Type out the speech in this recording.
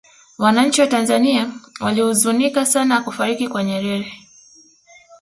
wananchi wa tanzania walihuzunika sana kufariki kwa nyerere